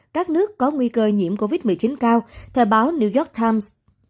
các nước có nguy cơ nhiễm covid một mươi chín cao thời báo new york times